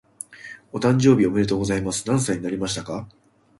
お誕生日おめでとうございます。何歳になりましたか？